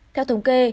theo thống kê